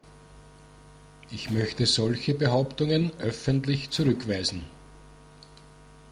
Ich möchte solche Behauptungen öffentlich zurückweisen.